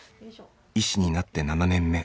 医師になって７年目。